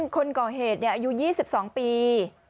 คนก่อเหตุอายุ๒๒ปี